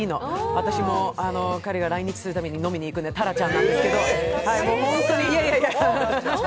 私も彼が来日するたびに飲みに行くのでタラちゃんなんですけれども。